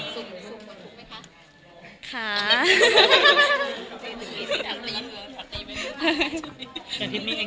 สุขมันถูกไหมคะ